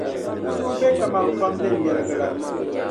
n suhu be kaman kpam din nyɛligi la.